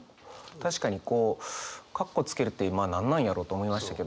確かにこうカッコつけるって何なんやろう？と思いましたけど。